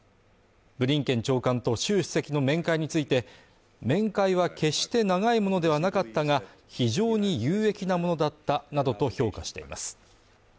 ブリンケン長官と習主席の面会について面会は決して長いものではなかったが、非常に有益なものだったなどと評価しています